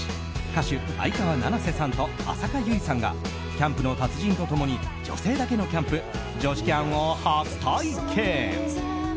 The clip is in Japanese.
歌手・相川七瀬さんと浅香唯さんがキャンプの達人と共に女性だけのキャンプ女子キャンを初体験。